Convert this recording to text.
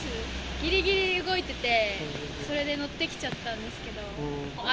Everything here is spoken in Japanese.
ぎりぎり動いてて、それで乗ってきちゃったんですけど。